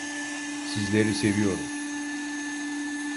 Sizleri seviyorum.